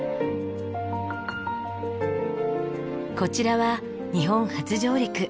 こちらは日本初上陸。